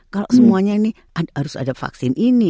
kalau semuanya ini harus ada vaksin ini